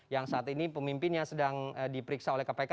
yang saat ini pemimpinnya sedang diperiksa oleh kpk